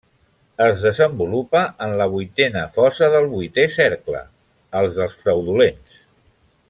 Es desenvolupa en la vuitena fossa del vuitè cercle, el dels fraudulents.